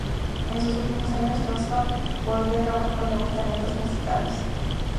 En sus últimos años, Johnston volvió a trabajar con nuevos talentos musicales.